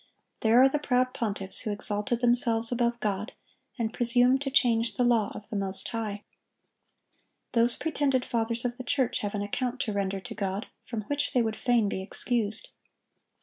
There are the proud pontiffs who exalted themselves above God, and presumed to change the law of the Most High. Those pretended fathers of the church have an account to render to God from which they would fain be excused.